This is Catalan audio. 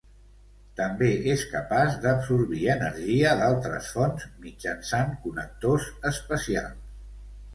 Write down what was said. També és capaç d’absorbir energia d'altres fonts mitjançant connectors especials.